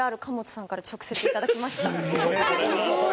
すごい！